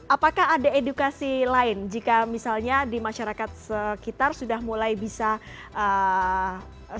apakah ada edukasi lain jika misalnya di masyarakat sekitar sudah mulai bisa